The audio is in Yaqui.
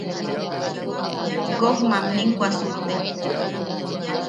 Goj mamnin wasukte.